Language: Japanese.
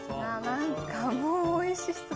何かもうおいしそう。